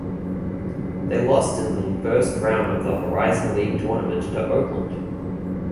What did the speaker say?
They lost in the first round of the Horizon League Tournament to Oakland.